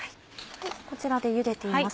こちらで茹でています。